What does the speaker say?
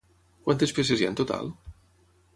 Quantes peces hi ha en total?